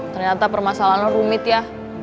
ternyata permasalahan lu rumit ya